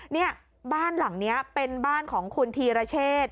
เนี่ยบ้านหลังนี้เป็นบ้านของคุณธีรเชษ